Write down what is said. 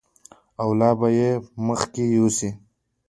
او لا به یې مخکې یوسي.